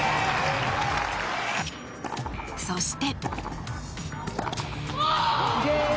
そして。